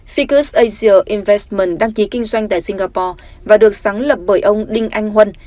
ficus asia investment đăng ký kinh doanh tại singapore và được sáng lập bởi ông đinh anh huân